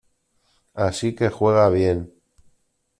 Así que juega bien.